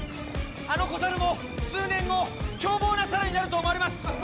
あの子ザルも数年後凶暴なサルになると思われます！